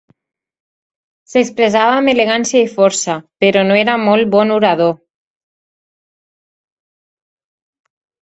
S'expressava amb elegància i força, però no era molt bon orador.